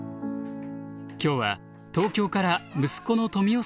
今日は東京から息子のとみおさん